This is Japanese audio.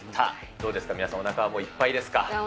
どうですか、皆さん、おなかいっぱいです。